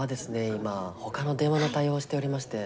今ほかの電話の対応をしておりまして。